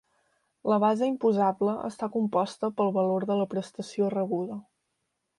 La base imposable està composta pel valor de la prestació rebuda.